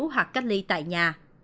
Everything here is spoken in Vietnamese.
hoặc cách ly tại nhà